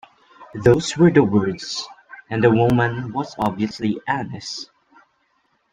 Those were the words, and the woman was obviously honest.